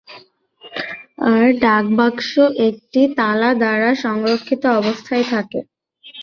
আর ডাকবাক্স একটি তালা দ্বারা সংরক্ষিত অবস্থায় থাকে।